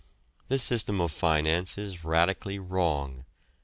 This system of finance is radically wrong.